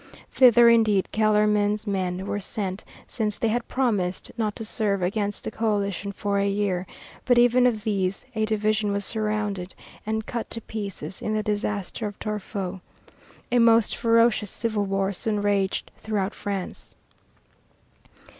Thither indeed Kellermann's men were sent, since they had promised not to serve against the coalition for a year, but even of these a division was surrounded and cut to pieces in the disaster of Torfou. A most ferocious civil war soon raged throughout France.